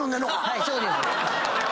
はいそうです。